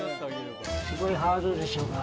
すごいハードでしょうが。